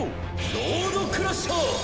ロード・クラッシャー！